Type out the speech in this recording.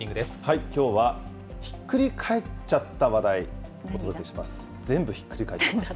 きょうは、ひっくりかえっちゃった話題、お届けします。